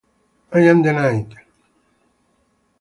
I am the night!